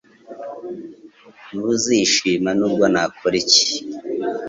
Ntuzishima nubwo nakora iki